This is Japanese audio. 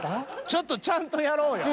ちょっとちゃんとやろうよ。